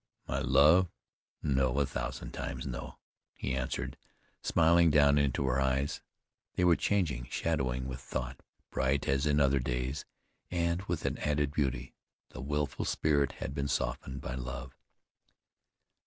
"My love, no, a thousand times no," he answered, smiling down into her eyes. They were changing, shadowing with thought; bright as in other days, and with an added beauty. The wilful spirit had been softened by love.